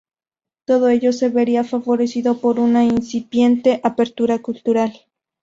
Todo ello se vería favorecido por una incipiente apertura cultural.